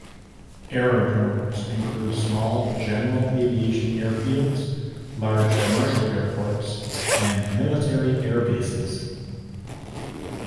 Aerodromes include small general aviation airfields, large commercial airports, and military airbases.